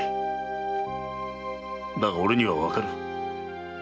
だが俺にはわかる。